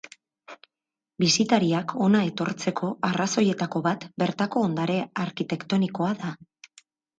Bisitariak hona etortzeko arrazoietako bat bertako ondare arkitektonikoa da.